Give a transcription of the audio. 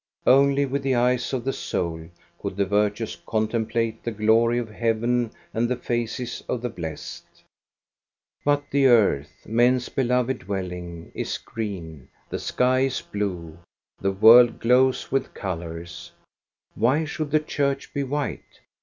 Only with the eyes of the soul could the virtuous contemplate the glory of heaven and the faces of the blessed. But the earth, men's beloved dwelling, is green, the sky is blue. The world glows with colors. Why should the church be white.'